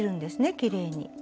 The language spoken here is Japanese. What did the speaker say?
きれいに。